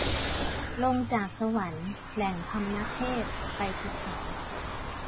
ลงจากสวรรค์ แหล่งพำนักเทพ ไปภูเขา